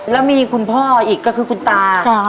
แล้วมีคุณพ่ออีกก็คือคุณตา